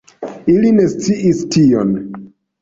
Ili ne sciis tion.